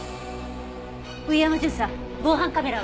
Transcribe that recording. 上山巡査防犯カメラは？